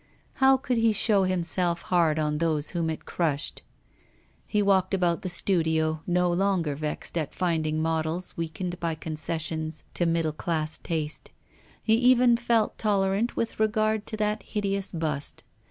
how could he show himself hard on those whom it crushed? He walked about the studio, no longer vexed at finding models weakened by concessions to middle class taste; he even felt tolerant with regard to that hideous bust.